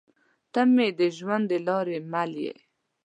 تۀ مې د ژوند د لارې مل يې